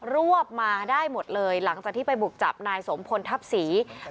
วบมาได้หมดเลยหลังจากที่ไปบุกจับนายสมพลทัพศรี